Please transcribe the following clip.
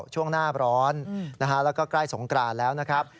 ช่วงหน้าร้อนแล้วก็ใกล้สงกรานแล้วนะครับ